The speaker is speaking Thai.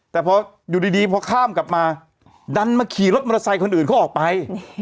แต่พออยู่ดีพอข้ามกลับมาดันมาขี่รถมอเตอร์ไซค์คนอื่นเขาออกไป